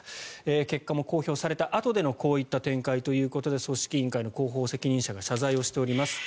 結果も公表されたあとでのこういった展開ということで組織委員会の広報責任者が謝罪をしております。